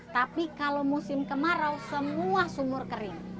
tapi kalau musim kemarau semua sumur kering